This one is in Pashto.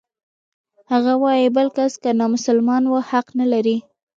هغه وايي بل کس که نامسلمان و حق نلري.